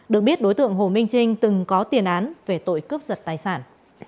được biết đối tượng hồ minh trinh từng có tiền án về tội cướp giật tài sản